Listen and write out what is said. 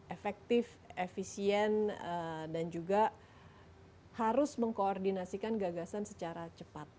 efektif efisien dan juga harus mengkoordinasikan gagasan secara cepat